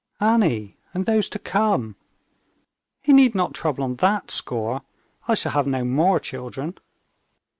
"Annie and those to come...." "He need not trouble on that score; I shall have no more children."